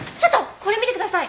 これ見てください。